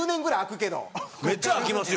めっちゃ空きますよ